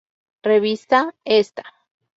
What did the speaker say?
Revista ¡¡Ésta!!